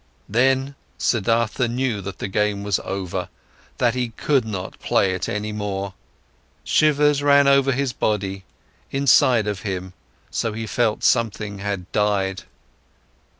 Then, Siddhartha knew that the game was over, that he could not play it any more. Shivers ran over his body, inside of him, so he felt, something had died.